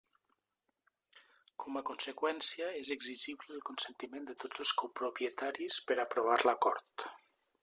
Com a conseqüència, és exigible el consentiment de tots els copropietaris per aprovar l'acord.